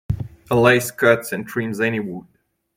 A lathe cuts and trims any wood.